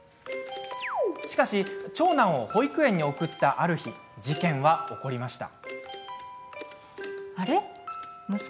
しかし長男を保育園に送ったある日、事件は起こりました。